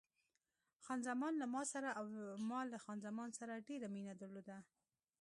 خان زمان له ما سره او ما له خان زمان سره ډېره مینه درلوده.